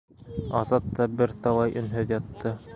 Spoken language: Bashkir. Азат та бер талай өнһөҙ ятты.